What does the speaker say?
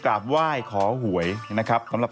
กลับไหว่ขอห่วยดูครับ